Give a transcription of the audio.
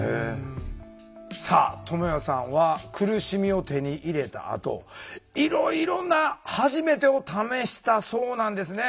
さあともやさんは苦しみを手に入れたあといろいろな「はじめて」を試したそうなんですね。